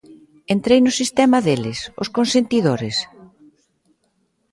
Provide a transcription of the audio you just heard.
¿Entrei no sistema deles, os consentidores?